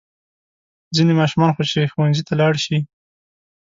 ځینې ماشومان خو چې ښوونځي ته لاړ شي.